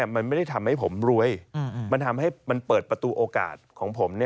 มันไม่ได้ทำให้ผมรวยมันทำให้มันเปิดประตูโอกาสของผม